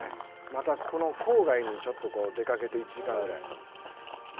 また郊外にちょっと出かけていく１時間ぐらい。